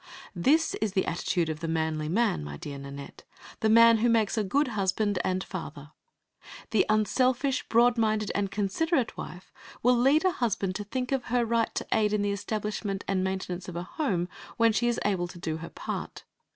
This is the attitude of the manly man, my dear Nanette, the man who makes the good husband and father. The unselfish, broad minded and considerate wife will lead a husband to think of her right to aid in the establishment and maintenance of a home when she is able to do her part.